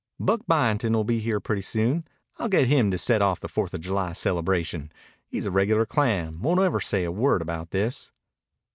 "Buck Byington will be here pretty soon. I'll get him to set off the Fourth of July celebration. He's a regular clam won't ever say a word about this."